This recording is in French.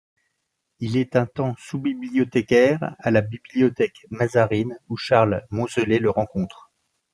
Il est un temps sous-bibliothécaire à la Bibliothèque Mazarine où Charles Monselet le rencontre.